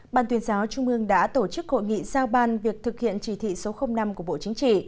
ban tuyên giáo trung ương đã tổ chức hội nghị giao ban việc thực hiện chỉ thị số năm của bộ chính trị